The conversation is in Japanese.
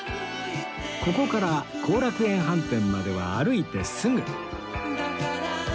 ここから後楽園飯店までは歩いてすぐ